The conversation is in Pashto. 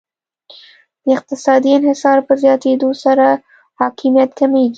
د اقتصادي انحصار په زیاتیدو سره حاکمیت کمیږي